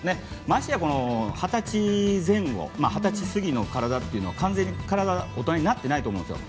ましてや二十歳前後二十歳過ぎの体っていうのは完全に体が大人になっていないと思うんですよ。